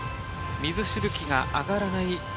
水しぶきが上がらない。